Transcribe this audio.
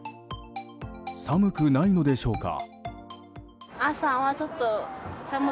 寒くないのでしょうか。